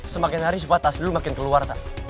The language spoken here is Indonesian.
semakin hari sifat asli lo makin keluar